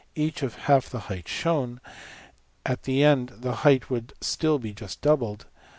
5in]{150a} each of half the height shown, at the end the height would still be just doubled.